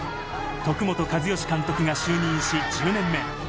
徳本一善監督が就任し１０年目。